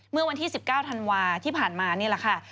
เมื่อวันที่๑๙ธันวาที่ผ่านมานี่แหละค่ะ